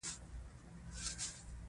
یو اداري مرسته کوونکی ورسره کار کوي.